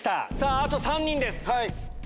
あと３人です。